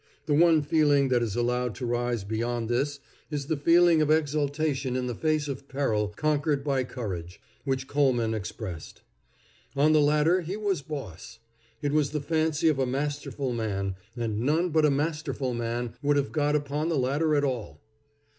The one feeling that is allowed to rise beyond this is the feeling of exultation in the face of peril conquered by courage, which Coleman expressed. On the ladder he was boss! It was the fancy of a masterful man, and none but a masterful man would have got upon the ladder at all.